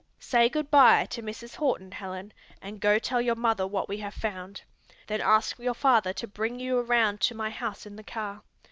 Say good by to Mrs. Horton, Helen, and go tell your mother what we have found. Then ask your father to bring you around to my house in the car.